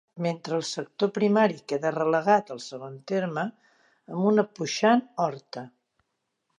Mentre que el sector primari queda relegat al segon terme amb una puixant horta.